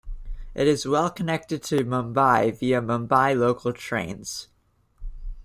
It is well connected to Mumbai via Mumbai Local Trains.